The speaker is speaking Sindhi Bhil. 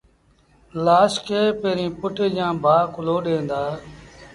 لآش کي پيريݩ پُٽ جآݩ ڀآ ڪُلهو ڏيݩ دآ